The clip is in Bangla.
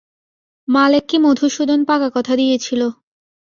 মালেককে মধুসূদন পাকা কথা দিয়েছিল।